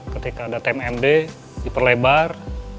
ketika ada tmd diperlebar